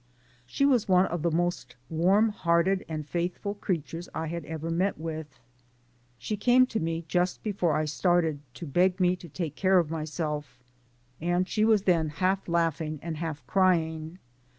She was one of the most warm hearted and faithful creatures I had ever met with. She came to me just before I started, to beg me to take care of myself, and she was thai half laughing and half crying.